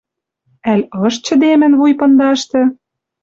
Ӓль ыш чӹдемӹн вуй пындашты?